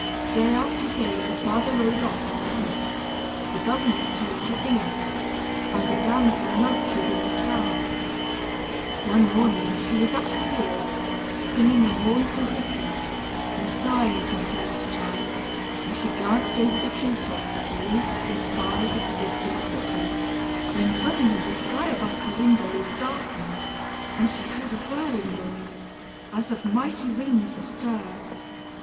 Day after day the father rode off to the hunt, the governess told her beads, and the damsel moped within the tower. One morning she was at her wheel, singing a mournful ditty, and sighing from time to time, as she glanced over the tree tops at the roofs and spires of the distant city, when suddenly the sky above her window was darkened, and she heard a whirring noise, as of mighty wings astir.